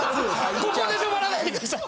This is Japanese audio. ここで止まらないで下さい。